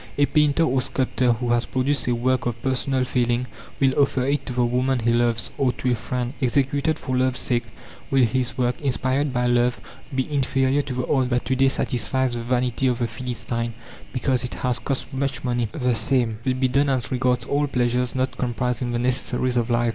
A painter or sculptor who has produced a work of personal feeling will offer it to the woman he loves, or to a friend. Executed for love's sake, will his work, inspired by love, be inferior to the art that to day satisfies the vanity of the philistine, because it has cost much money? The same will be done as regards all pleasures not comprised in the necessaries of life.